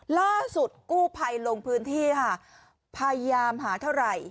ล่าสุดกู้ภัยลงพื้นที่ค่ะพยายามหาเท่าไหร่